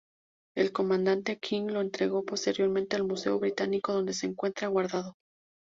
El comandante King lo entregó posteriormente al Museo Británico donde se encuentra guardado.